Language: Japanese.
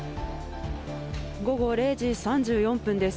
午後０時３４分です。